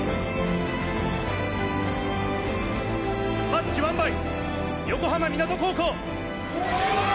マッチワンバイ横浜湊高校！